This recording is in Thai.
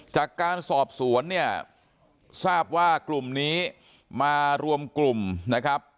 จากการสอบสวนเนี่ยทราบว่ากลุ่มนี้มารวมกลุ่มนะครับ